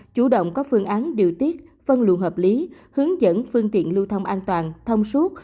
chủ động có phương án điều tiết phân luận hợp lý hướng dẫn phương tiện lưu thông an toàn thông suốt